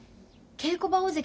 稽古場大関？